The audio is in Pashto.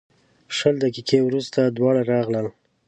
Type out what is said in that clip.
شل دقیقې وروسته دواړه راغلل.